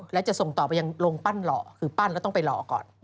และจะส่งต่อไปยังโรงปั้นหล่อคือปั้นแล้วต้องไปหล่อก่อน